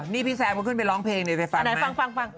นี่พี่แซมเค้าขึ้นไปร้องเพลงนี่ไปฟังมั้ย